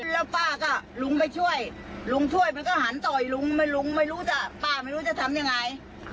แล้วป้าก็ลุงไปช่วยลุงช่วยมันก็หันต่อยลุงลุงไม่รู้จะป้าไม่รู้จะทำยังไง